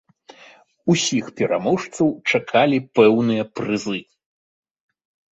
Усіх пераможцаў чакалі пэўныя прызы.